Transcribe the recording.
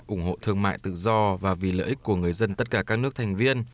ủng hộ thương mại tự do và vì lợi ích của người dân tất cả các nước thành viên